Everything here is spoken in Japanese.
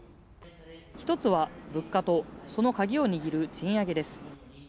一つは物価と、そのカギを握る賃上げです。